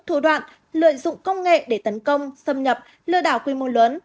thủ đoạn lợi dụng công nghệ để tấn công xâm nhập lừa đảo quy mô lớn